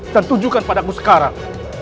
dan tunjukkan padaku sekarang